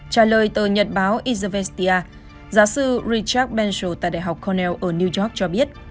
trả lời tờ nhật báo izvestia giáo sư richard benshaw tại đại học cornell ở new york cho biết